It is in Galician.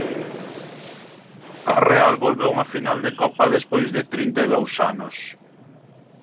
A Real volve a unha final de Copa despois de trinta e dous anos.